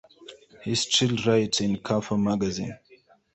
He still writes in "Kafa" magazine.